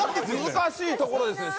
難しいところですね